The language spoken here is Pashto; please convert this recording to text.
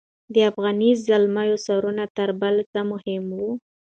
د افغاني زلمیانو سرونه تر بل څه مهم وو.